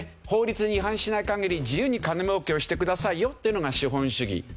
法律に違反しない限り自由に金儲けをしてくださいよっていうのが資本主義。